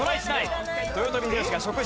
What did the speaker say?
豊臣秀吉が食した。